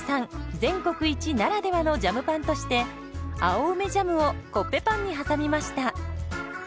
全国一ならではのジャムパンとして青梅ジャムをコッペパンに挟みました。